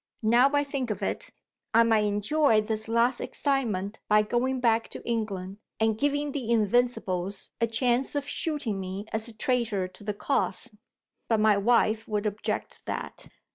Now I think of it, I might enjoy this last excitement by going back to England, and giving the Invincibles a chance of shooting me as a traitor to the cause. But my wife would object to that.